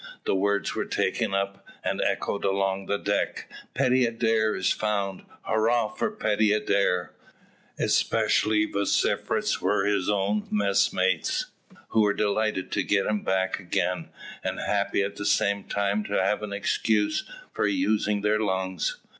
The words were taken up, and echoed along the deck, "Paddy Adair is found; hurrah for Paddy Adair!" Especially vociferous were his own messmates, who were delighted to get him back again, and happy at the same time to have an excuse for using their lungs.